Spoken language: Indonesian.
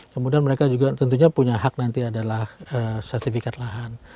kemudian mereka juga tentunya punya hak nanti adalah sertifikat lahan